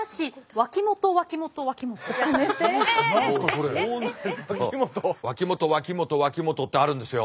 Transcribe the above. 「脇本脇本脇本」ってあるんですよ。